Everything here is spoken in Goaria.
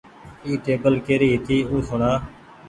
اي ٽيبل ڪري هيتي او سوڻا۔